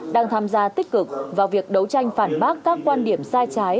đang tham gia tích cực vào việc đấu tranh phản bác các quan điểm sai trái